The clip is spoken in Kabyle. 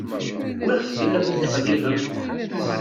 Wiɣef tellam tettqellibem?